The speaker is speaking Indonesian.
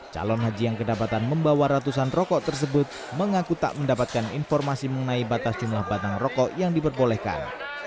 calon haji yang kedapatan membawa ratusan rokok tersebut mengaku tak mendapatkan informasi mengenai batas jumlah batang rokok yang diperbolehkan